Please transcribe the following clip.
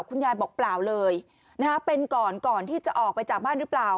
คุณยายบอกเปล่าเลยเป็นก่อนก่อนที่จะออกไปจากบ้านหรือเปล่า